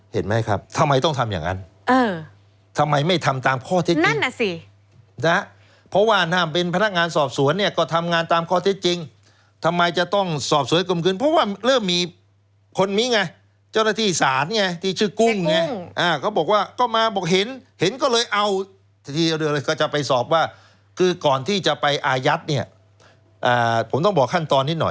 เห็นไหมครับทำไมต้องทำอย่างนั้น